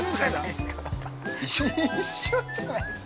◆一緒じゃないですか。